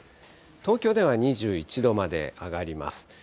東京では２１度まで上がります。